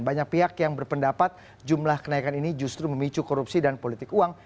banyak pihak yang berpendapat jumlah kenaikan ini justru memicu korupsi dan politik uang